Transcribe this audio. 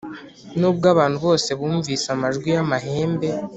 Nuko abantu bose bumvise amajwi y amahembe